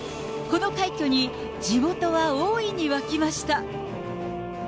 この快挙に地元は大いに沸きました。